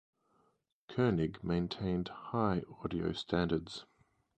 Koenig maintained high audio standards.